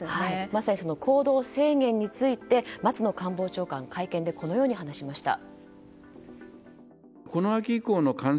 まさに行動制限について松野官房長官は会見でこのように話しました。